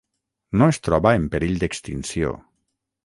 No es troba en perill d'extinció.